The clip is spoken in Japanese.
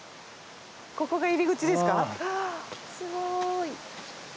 すごい。